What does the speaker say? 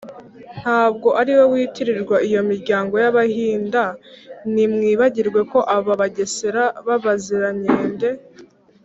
ntabwo ariwe witirirwa iyo miryango y’abahinda. ntimwibagirwe ko aba bagesera b’abazirankende